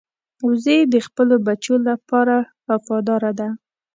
وزې د خپلو بچو لپاره وفاداره ده